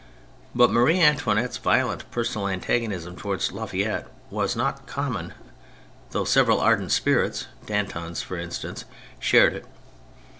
But Marie Antoinette's vio lent personal antagonism towards La Fayette was not common, though several ardent spirits (Danton's, for instance) shared it.